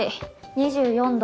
２４度。